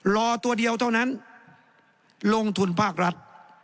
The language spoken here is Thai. รอตัวเดียวเท่านั้นลงทุนภาครัฐ